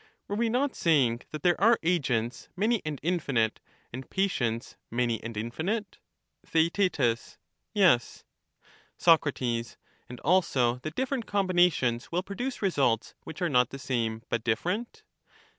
Were we not sa3dng that there are agents many and infinite, and patients many and infinite ? Theaet Yes. Soc. And also that different combinations will produce results which are not the same, but different?